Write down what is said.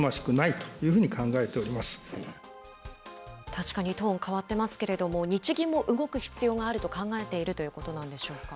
確かにトーン変わってますけれども、日銀も動く必要があると考えているということなんでしょうか。